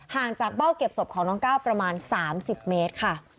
ห่างจากเบ้าเก็บศพของน้องก้าวประมาณ๓๐เมตรค่ะ